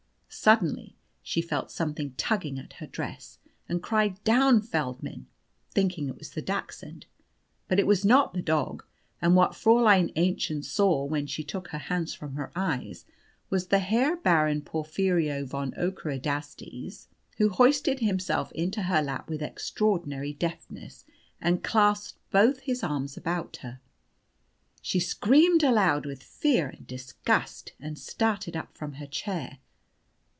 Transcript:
Suddenly she felt something tugging at her dress, and cried "Down, Feldmann!" thinking it was the Dachshund. But it was not the dog; and what Fräulein Aennchen saw when she took her hands from her eyes was the Herr Baron Porphyrio von Ockerodastes, who hoisted himself into her lap with extraordinary deftness, and clasped both his arms about her. She screamed aloud with fear and disgust, and started up from her chair.